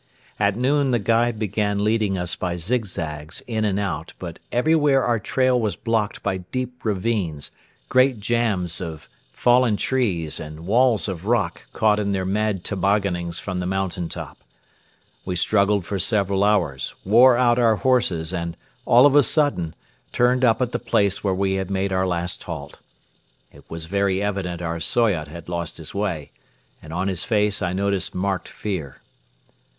At noon the guide began leading us by zigzags in and out but everywhere our trail was blocked by deep ravines, great jams of fallen trees and walls of rock caught in their mad tobogganings from the mountain top. We struggled for several hours, wore out our horses and, all of a sudden, turned up at the place where we had made our last halt. It was very evident our Soyot had lost his way; and on his face I noticed marked fear.